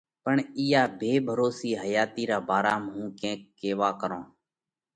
پڻ اِيئا ڀي ڀروسِي حياتِي را ڀارام هُون ڪينڪ ڪيوا ڪرونه۔